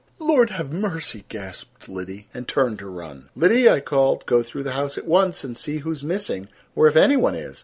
"Lord have mercy!" gasped Liddy, and turned to run. "Liddy," I called, "go through the house at once and see who is missing, or if any one is.